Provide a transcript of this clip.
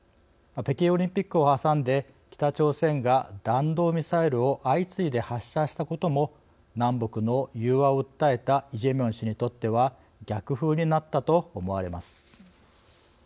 北京オリンピックをはさんで北朝鮮が弾道ミサイルを相次いで発射したことも南北の融和を訴えたイ・ジェミョン氏にとっては逆風になったと思われます。